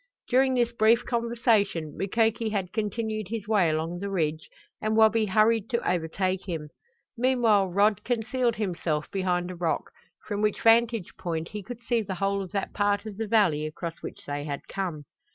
During this brief conversation Mukoki had continued his way along the ridge and Wabi hurried to overtake him. Meanwhile Rod concealed himself behind a rock, from which vantage point he could see the whole of that part of the valley across which they had come.